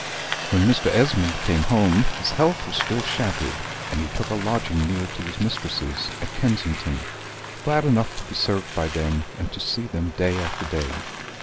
When Mr. Esmond came home, his health was still shattered; and he took a lodging near to his mistresses, at Kensington, glad enough to be served by them, and to see them day after day.